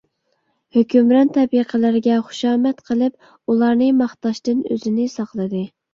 ھۆكۈمران تەبىقىلەرگە خۇشامەت قىلىپ، ئۇلارنى ماختاشتىن ئۆزىنى ساقلىدى.